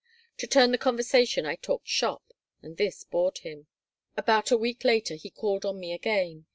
To turn the conversation I talked shop, and this bored him. About a week later he called on me again.